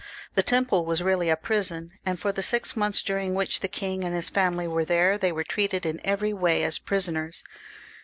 The Temple was really a prison, and for the six months in which the king and his family were there, they were treated in every way as prisoners.